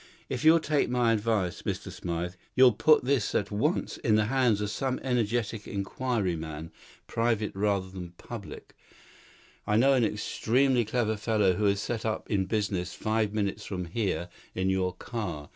If you'll take my advice, Mr. Smythe, you'll put this at once in the hands of some energetic inquiry man, private rather than public. I know an extremely clever fellow, who has set up in business five minutes from here in your car.